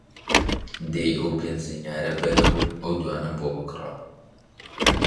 دەی ئەو پێنج دینارە بەرە و ئەو دوانەم بۆ بکڕە!